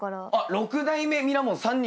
六代目ミラモン３人？